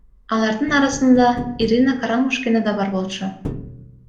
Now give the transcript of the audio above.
Алардын арасында Ирина Карамушкина да бар болчу.